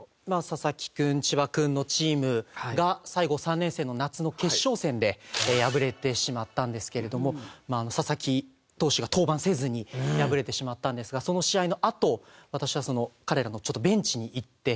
佐々木君千葉君のチームが最後３年生の夏の決勝戦で敗れてしまったんですけれども佐々木投手が登板せずに敗れてしまったんですがその試合のあと私は彼らのベンチに行って。